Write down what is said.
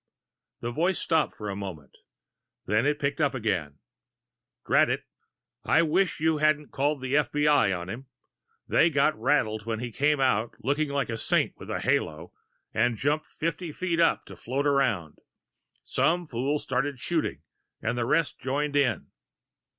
The voice stopped for a moment. Then it picked up again. "Drat it! I wish you hadn't called the F. B. I. on him they got rattled when he came out looking like a saint in a halo and jumped fifty feet up to float around. Some fool started shooting, and the rest joined in."